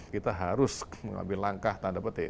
kita harus mengambil langkah tanda petik